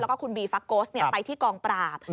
แล้วก็คุณบีฟักโกสไปที่กองปราบ